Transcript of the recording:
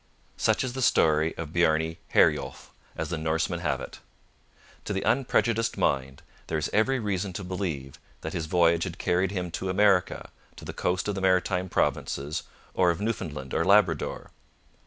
Such is the story of Bjarne Herjulf, as the Norsemen have it. To the unprejudiced mind there is every reason to believe that his voyage had carried him to America, to the coast of the Maritime Provinces, or of Newfoundland or Labrador.